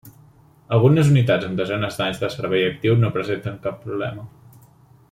Algunes unitats amb desenes d'anys de servei actiu no presenten cap problema.